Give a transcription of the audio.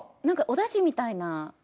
何かおだしみたいな。